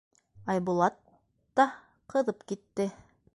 Айбулат та ҡыҙып китте: